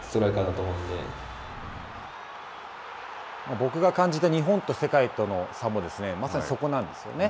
僕が感じた日本と世界との差も、まさにそこなんですよね。